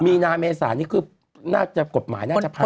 มีนาเมษานี่คือน่าจะกฎหมายน่าจะผ่าน